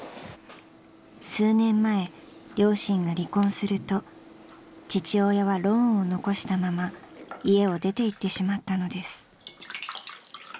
［数年前両親が離婚すると父親はローンを残したまま家を出ていってしまったのです］